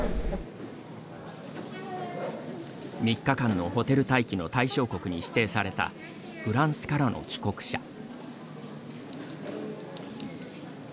３日間のホテル待機の対象国に指定されたフランスからの帰国者。